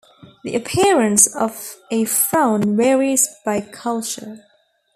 The appearance of a frown varies by culture.